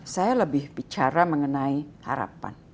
saya lebih bicara mengenai harapan